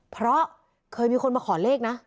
เพราะเคยมีคนมาขอเลขนะ